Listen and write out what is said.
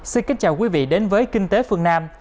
xin kính chào quý vị đến với kinh tế phương nam